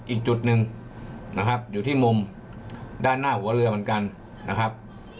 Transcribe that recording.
อีกจุดหนึ่งนะครับอยู่ที่มุมด้านหน้าหัวเรือเหมือนกันนะครับ